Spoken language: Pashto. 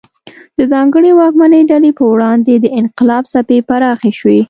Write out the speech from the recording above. د ځانګړې واکمنې ډلې پر وړاندې د انقلاب څپې پراخې شوې.